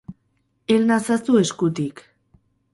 Hel nazazu eskutik.